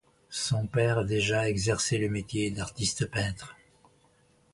Son père déjà exerçait le métier d'artiste-peintre.